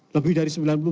lebih dari enam belas